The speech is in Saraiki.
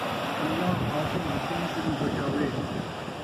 اللہ حاکم، حکیم کنوں بچاوے